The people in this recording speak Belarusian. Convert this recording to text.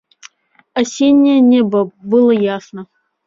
Асенняе неба было ясна.